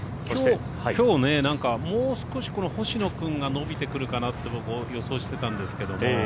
きょうもう少しこの星野君が伸びてくるかなって僕、予想してたんですけども。